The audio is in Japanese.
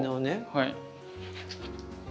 はい。